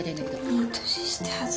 いい年して恥ず。